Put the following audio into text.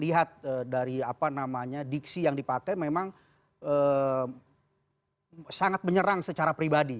lihat dari apa namanya diksi yang dipakai memang sangat menyerang secara pribadi